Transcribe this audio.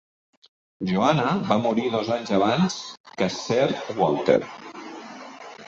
Johanna va morir dos anys abans que Sir Walter.